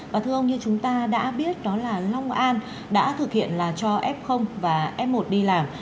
và thưa ông như chúng ta đã biết đó là long an đã thực hiện là cho f và f một đi làm